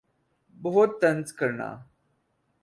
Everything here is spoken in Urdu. بَہُت طنز کرنا